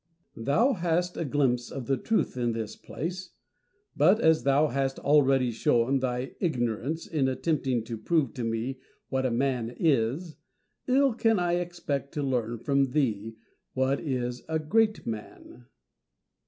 Diogenes. Thou hast a glimpse of the truth in this place, but as thou hast already shown thy ignorance in attempting to prove to me what a man is, ill can I expect to learn from thee what is a great man.